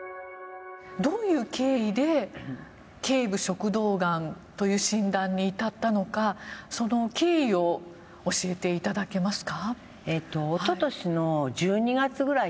どういう経緯で頸部食道がんという診断に至ったのかその経緯を教えていただけますか。